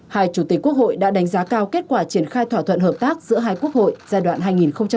hai chủ tịch quốc hội đã đánh giá cao kết quả triển khai thỏa thuận hợp tác giữa các nước việt nam và các nước lào